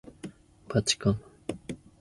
ばちかん